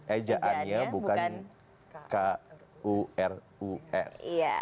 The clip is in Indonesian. ejaannya bukan k u r u s